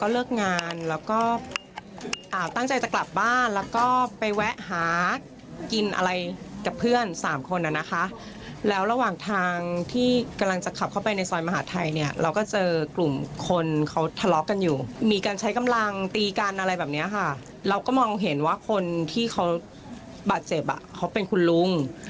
เราก็มองเห็นว่าคนที่เขาบาดเจ็บเขาเป็นคุณลุง